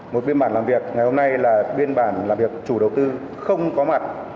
một biên bản làm việc ngày hôm nay là biên bản là việc chủ đầu tư không có mặt